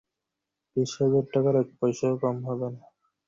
ওকে, আমি কেবল একটা স্যুটকেইস প্যাক করেছি।